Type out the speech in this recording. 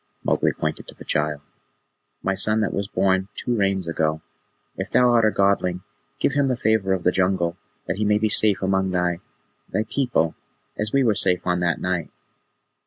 Mowgli pointed to the child. "My son that was born two Rains ago. If thou art a Godling, give him the Favour of the Jungle, that he may be safe among thy thy people, as we were safe on that night."